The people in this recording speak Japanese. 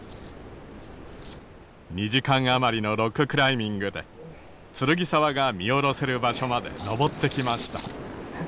２時間余りのロッククライミングで剱沢が見下ろせる場所まで登ってきました。